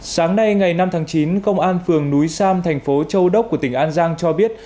sáng nay ngày năm tháng chín công an phường núi sam thành phố châu đốc của tỉnh an giang cho biết